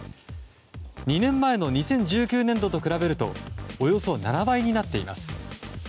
２年前の２０１９年度と比べるとおよそ７倍になっています。